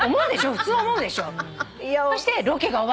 普通思うでしょ？